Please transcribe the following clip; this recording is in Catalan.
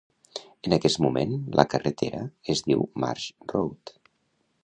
En aquest moment, la carretera es diu Marsh Road.